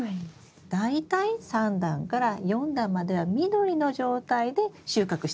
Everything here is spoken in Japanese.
大体３段から４段までは緑の状態で収穫してほしいんです。